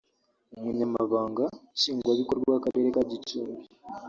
umunyamabanga nshingwabikorwa w’akarere ka Gicumbi